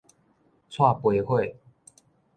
蔡培火